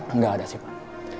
enggak ada sih pak